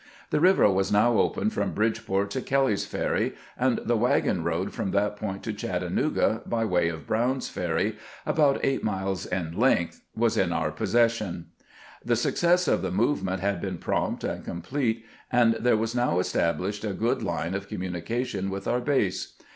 The river was now open from Bridgeport to Kelley's Ferry, and the wagon road from that point to Chattanooga by way of Brown's Ferry, about eight mUes in length, was in our possession. The success of the movement had been prompt and complete, and there was now established a good line of commu nication with our base.